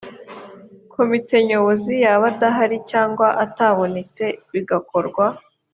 komite nyobozi yaba adahari cyangwa atabonetse bigakorwa